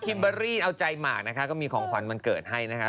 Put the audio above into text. เบอรี่เอาใจหมากนะคะก็มีของขวัญวันเกิดให้นะคะ